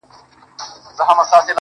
ما ويل ددې به هېرول نه وي زده.